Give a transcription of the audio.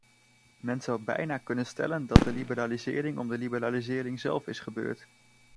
Men zou bijna kunnen stellen dat de liberalisering om de liberalisering zelf is gebeurd.